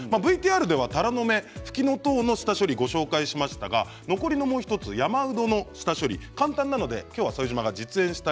ＶＴＲではたらの芽ふきのとうの下処理ご紹介しましたが残りのもう一つ山うどの下処理簡単なので今日は副島が実演したいと思います。